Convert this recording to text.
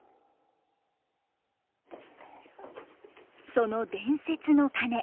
その伝説の鐘